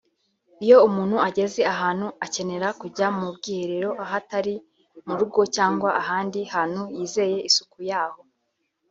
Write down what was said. Iyo umuntu ageze ahantu akenera kujya mu bwiherero ahatari mu rugo cyangwa ahandi hantu yizeye isuku yaho